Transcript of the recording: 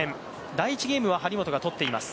第１ゲームは張本がとっています。